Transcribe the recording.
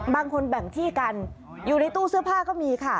บางคนแบ่งที่กันอยู่ในตู้เสื้อผ้าก็มีค่ะ